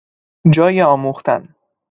جای آموختن